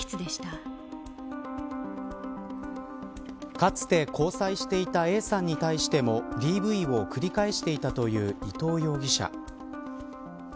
かつて交際していたＡさんに対してもＤＶを繰り返していたという伊藤容疑者。